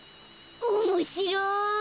おもしろい！